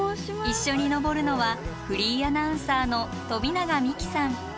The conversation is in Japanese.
一緒に登るのはフリーアナウンサーの富永美樹さん。